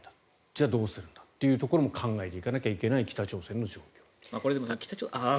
じゃあどうするんだというところも考えていかなきゃいけない北朝鮮の状況。